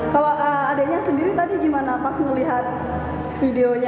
kalau adanya sendiri tadi gimana pas ngeliat videonya